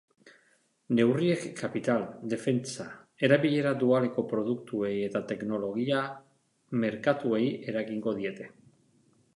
Neurriek kapital, defentsa, erabilera dualeko produktuei eta teknologia merkatuei eragingo diete.